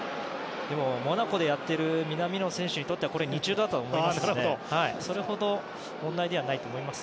でも、モナコでやっている南野選手にとっては日常だと思うのでそれほど問題ではないと思います。